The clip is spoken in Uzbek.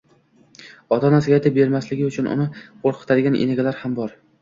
ota-onasiga aytib bermasligi uchun uni qo‘rqitadigan enagalar ham bor.